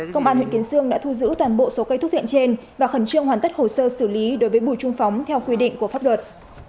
công an huyện kiến sương đã thu giữ toàn bộ số cây thuốc viện trên và khẩn trương hoàn tất hồ sơ xử lý đối với bùi trung phóng theo quy định của pháp luật